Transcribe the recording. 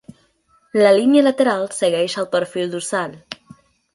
La línia lateral segueix el perfil dorsal.